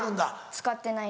使ってない。